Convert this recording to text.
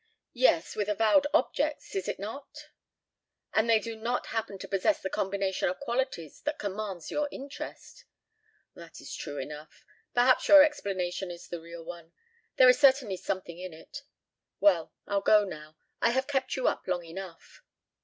"Yes, with avowed objects, is it not? And they do not happen to possess the combination of qualities that commands your interest." "That is true enough. Perhaps your explanation is the real one. There is certainly something in it. Well, I'll go now. I have kept you up long enough."